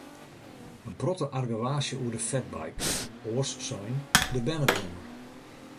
In protte argewaasje oer de fatbike, oars sein, de bernebrommer.